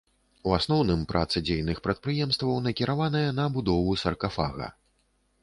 У асноўным праца дзейных прадпрыемстваў накіраваная на будову саркафага.